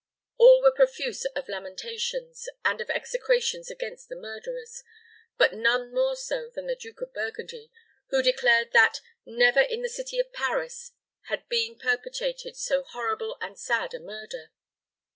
All were profuse of lamentations, and of execrations against the murderers; but none more so than the Duke of Burgundy, who declared that "never, in the city of Paris, had been perpetrated so horrible and sad a murder."